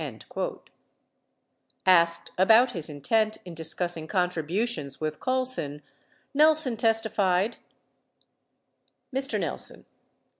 31 Asked about his intent in discuss ing contributions with Colson, Nelson testified : Mr. Nelson.